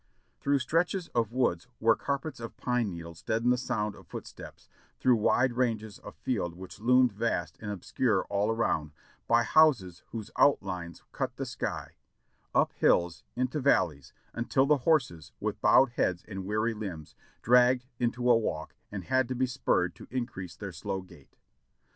Through stretches of woods where carpets of pine needles deadened the sound of footsteps, through wide ranges of field which loomed vast and obscure all around, by houses whose out lines cut the sky, up hills, into valleys, until the horses, with bowed heads and weary limbs, dragged into a walk and had to be spurred to increase their slow gait.